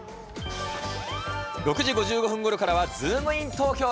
６時５５分ごろからはズームイン！